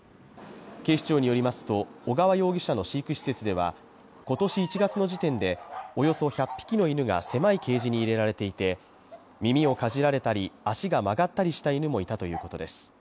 警視庁によりますと、尾川容疑者の飼育施設では、今年１月の時点でおよそ１００匹の犬が狭いケージに入れられていて、耳をかじられたり、足が曲がったりした犬もいたということです